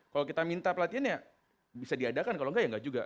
kalau kita minta pelatihan bisa diadakan kalau tidak tidak juga